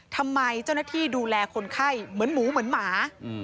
ทำไมเจ้าหน้าที่ดูแลคนไข้เหมือนหมูเหมือนหมา